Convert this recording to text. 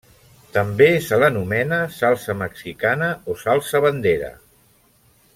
També se l'anomena salsa mexicana o salsa bandera.